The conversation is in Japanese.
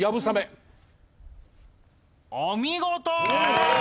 お見事！